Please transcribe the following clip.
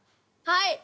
はい。